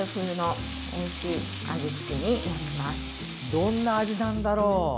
どんな味なんだろう。